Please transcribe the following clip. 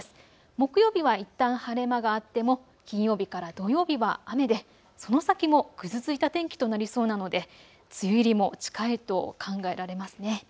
木曜日はいったん晴れ間があっても金曜日から土曜日は雨でその先もぐずついた天気となりそうなので梅雨入りも近いと考えられます。